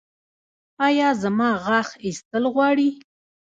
ایا زما غاښ ایستل غواړي؟